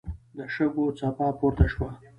د شګو څپه پورته شوه.